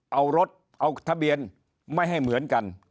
เอารถเอาทะเบียนไม่ให้เหมือนกัน